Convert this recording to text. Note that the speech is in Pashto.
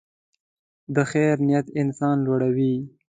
د خیر نیت انسان لوړوي.